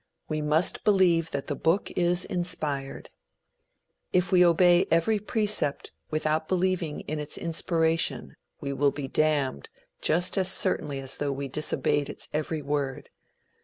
We must believe that the book is inspired. If we obey its every precept without believing in its inspiration we will be damned just as certainly as though we disobeyed its every word.